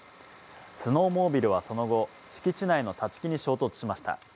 スノーモービルはその後、敷地内の立木に衝突しました。